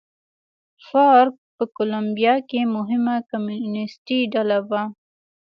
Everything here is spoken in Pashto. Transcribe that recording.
فارک په کولمبیا کې مهمه کمونېستي ډله وه.